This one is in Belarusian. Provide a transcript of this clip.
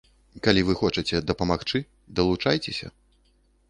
Калі вы хочаце дапамагчы, далучайцеся.